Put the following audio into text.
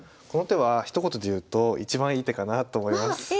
この手はひと言で言うといちばんいい手かなと思います。